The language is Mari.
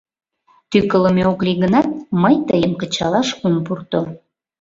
Тӱкылымӧ ок лий гынат, мый тыйым кычалаш ом пурто.